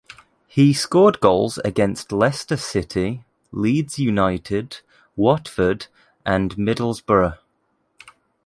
He scored goals against Leicester City, Leeds United, Watford and Middlesbrough.